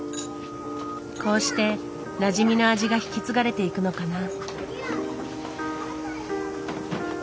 こうしてなじみの味が引き継がれていくのかな。